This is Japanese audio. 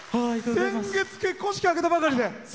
先月、結婚式、挙げたばかりで。